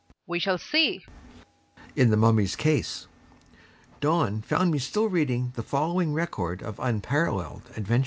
We shall see. ED.